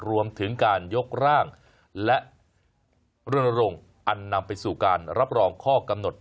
รวมถึงการยกร่างและรณรงค์อันนำไปสู่การรับรองข้อกำหนด